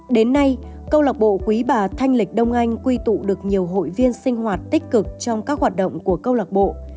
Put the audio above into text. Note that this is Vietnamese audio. đến nay câu lạc bộ quý bà thanh lịch đông anh quy tụ được nhiều hội viên sinh hoạt tích cực trong các hoạt động của câu lạc bộ